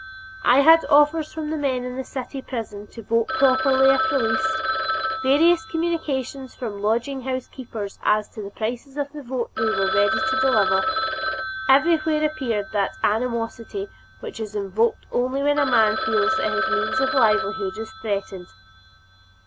I had offers from the men in the city prison to vote properly if released; various communications from lodging house keepers as to the prices of the vote they were ready to deliver; everywhere appeared that animosity which is evoked only when a man feels that his means of livelihood is threatened.